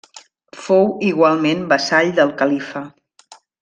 Fou igualment vassall del Califa.